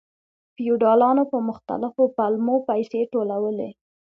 فیوډالانو په مختلفو پلمو پیسې ټولولې.